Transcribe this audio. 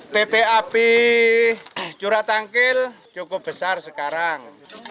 tete api curah tangkil cukup besar sekarang